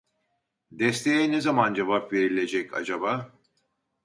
Desteğe ne zaman cevap verilecek acaba